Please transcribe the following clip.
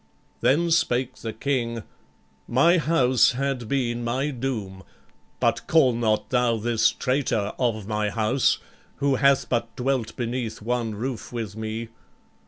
Then spake the King: "My house had been my doom, But call not thou this traitor of my house Who hath but dwelt beneath one roof with me.